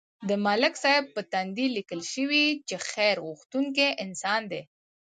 د ملک صاحب په تندي لیکل شوي چې خیر غوښتونکی انسان دی.